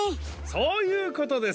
そういうことです。